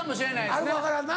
あるか分からんな。